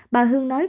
bà hương nói